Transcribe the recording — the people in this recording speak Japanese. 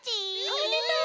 おめでとう！